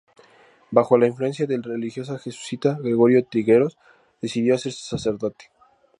Bajo la influencia del religioso jesuita Gregorio Trigueros, decidió hacerse sacerdote.